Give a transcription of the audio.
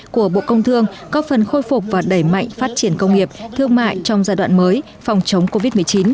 của bộ công thương có phần khôi phục và đẩy mạnh phát triển công nghiệp thương mại trong giai đoạn mới phòng chống covid một mươi chín